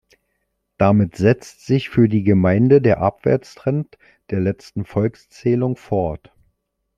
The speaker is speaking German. Damit setzt sich für die Gemeinde der Abwärtstrend der letzten Volkszählung fort.